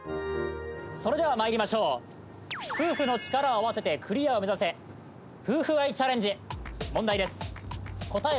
それではまいりましょう夫婦の力を合わせてクリアを目指せ問題です